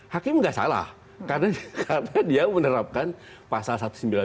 hakim nggak salah karena dia menerapkan pasal satu ratus sembilan puluh sembilan